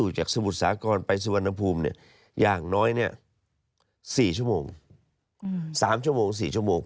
๓ชั่วโมง๔ชั่วโมง